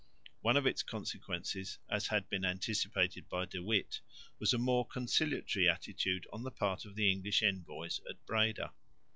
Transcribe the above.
One of its consequences, as had been anticipated by De Witt, was a more conciliatory attitude on the part of the English envoys at Breda.